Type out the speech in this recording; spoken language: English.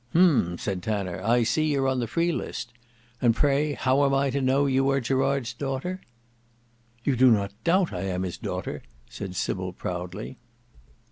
"Hem!" said Tanner: "I see you're on the free list. And pray how am I to know you are Gerard's daughter?" "You do not doubt I am his daughter!" said Sybil proudly.